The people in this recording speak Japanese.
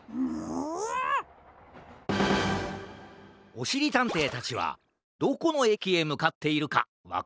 おしりたんていたちはどこのえきへむかっているかわかるかな？